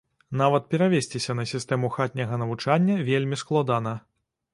Нават перавесціся на сістэму хатняга навучання вельмі складана.